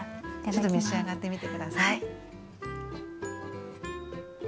ちょっと召し上がってみて下さい。